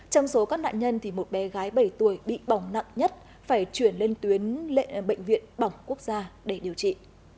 trong số các nạn nhân một bé gái bảy tuổi bị bỏng nặng nhất phải chuyển lên tuyến bệnh viện bỏng quốc gia để điều trị